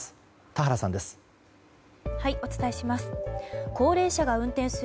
田原さんです。